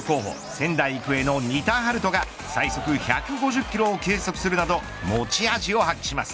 仙台育英の仁田陽翔が最速１５０キロを計測するなど持ち味を発揮します。